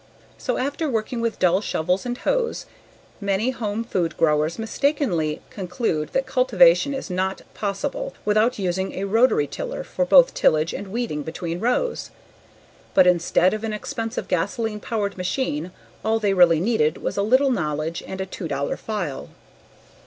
So after working with dull shovels and hoes, many home food growers mistakenly conclude that cultivation is not possible without using a rotary tiller for both tillage and weeding between rows. But instead of an expensive gasoline powered machine all they really needed was a little knowledge and a two dollar file.